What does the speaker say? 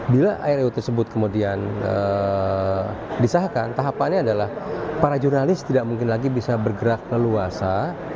bila iro tersebut kemudian disahkan tahapannya adalah para jurnalis tidak mungkin lagi bisa bergerak leluasa